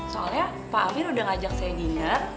soalnya pak amir udah ngajak saya diner